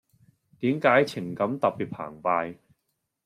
點解情感特別澎湃⠀